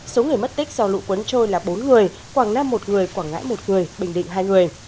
số người mất tích do lũ cuốn trôi là bốn người quảng nam một người quảng ngãi một người bình định hai người